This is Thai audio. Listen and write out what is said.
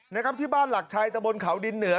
นะครับที่บ้านหลักชัยตะบนเขาดินเหนือ